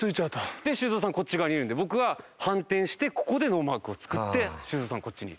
で修造さんこっち側にいるので僕は反転してここでノーマークを作って修造さんこっちにいる。